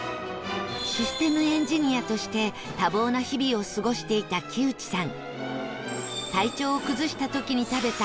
システムエンジニアとして多忙な日々を過ごしていた木内さん